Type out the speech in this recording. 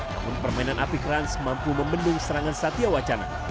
namun permainan apik rans mampu membendung serangan satya wacana